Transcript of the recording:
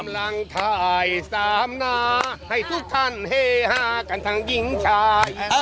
กำลังถ่ายสามหน้าให้ทุกท่านเฮฮากันทั้งหญิงชาย